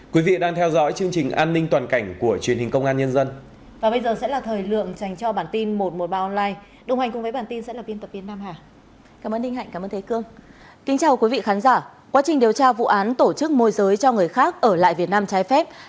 hãy đăng ký kênh để ủng hộ kênh của chúng mình nhé